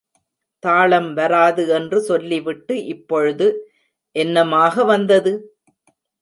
தாளம் வராது என்று சொல்லிவிட்டு, இப்பொழுது, என்னமாக வந்தது?